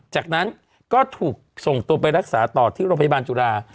จากนั้นก็ถูกส่งตัวไปรักษาต่อที่โรงพยาบาลจุฬา